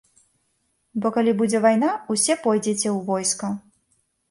Бо калі будзе вайна, усе пойдзеце ў войска.